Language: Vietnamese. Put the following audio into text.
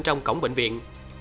trong cổng bệnh viện